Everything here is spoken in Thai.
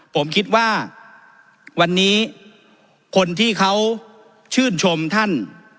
ผมคิดว่าวันนี้คนที่เขาชื่นชมท่าน